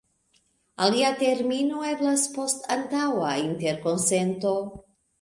Alia termino eblas post antaŭa interkonsento.